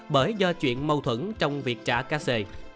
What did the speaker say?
bởi do chuyện mâu thuẫn trong việc trả cá xê